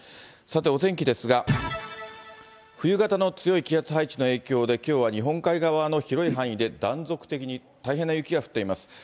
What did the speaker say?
さて、お天気ですが、冬型の強い気圧配置の影響で、きょうは日本海側の広い範囲で断続的に大変な雪が降っています。